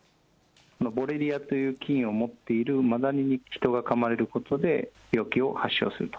ボレリアという菌を持っているマダニに、人がかまれることで、病気を発症すると。